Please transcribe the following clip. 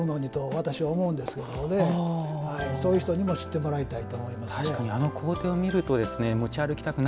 私は思うんですけどそういう人にも知ってもらいたいなと思います。